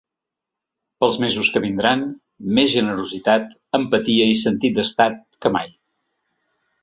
Pels mesos que vindran, més generositat, empatia i sentit d’estat que mai.